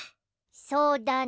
そうだね。